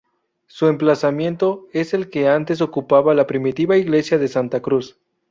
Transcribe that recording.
Su emplazamiento es el que antes ocupaba la primitiva iglesia de Santa Cruz.